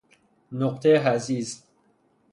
نقطه حضیض